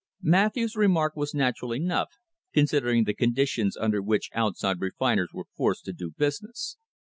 Matthews's remark was natural enough, considering the conditions under which outside refiners were forced to do business.